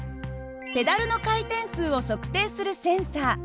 ペダルの回転数を測定するセンサー。